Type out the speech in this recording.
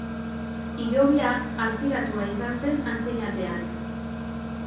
Hilobia, arpilatua izan zen antzinatean.